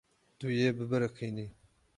Tu yê bibiriqînî.